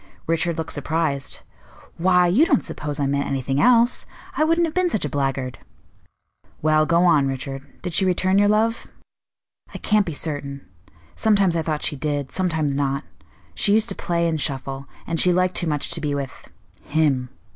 Richard looked surprised. "Why, you don't suppose I meant anything else! I wouldn't have been such a blackguard." "Well, go on, Richard. Did she return your love?" "I can't be certain. Sometimes I thought she did, sometimes not; she used to play and shuffle, and she liked too much to be with him.